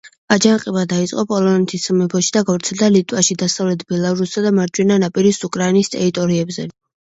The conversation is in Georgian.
აჯანყება დაიწყო პოლონეთის სამეფოში და გავრცელდა ლიტვაში, დასავლეთ ბელარუსსა და მარჯვენა ნაპირის უკრაინის ტერიტორიებზე.